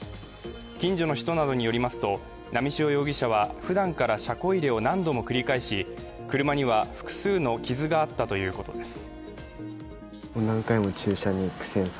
近所の人などによりますと波汐容疑者はふだんから車庫入れを何度も繰り返し、車には複数の傷があったということです。